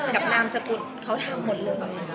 กับนามสกุลเขาทำหมดเลย